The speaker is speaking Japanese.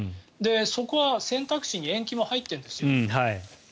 そこは選択肢に延期も入ってるんですよ。